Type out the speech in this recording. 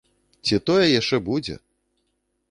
Ці тое яшчэ будзе!